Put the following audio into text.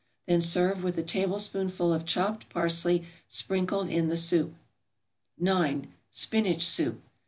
Then serve with a tablespoonful of chopped parsley sprinkled in the soup. 9. =Spinach Soup.